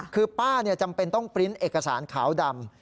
คือป้าจำเป็นต้องปริ้นต์เอกสารขาวดำ